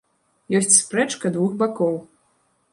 Ёсць спрэчка двух бакоў.